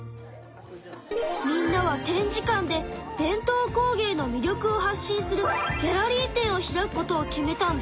みんなは展示館で伝統工芸の魅力を発信するギャラリー展を開くことを決めたんだ。